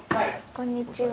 こんにちは。